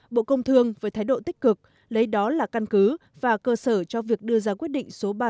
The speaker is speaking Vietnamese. bộ công thương với thái độ tích cực lấy đó là căn cứ và cơ sở cho việc đưa ra quyết định số ba nghìn sáu trăm một mươi a quy đề bct